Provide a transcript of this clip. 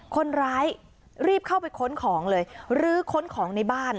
คนร้ายรีบเข้าไปค้นของเลยลื้อค้นของในบ้าน